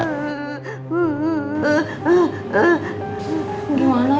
akang juga liat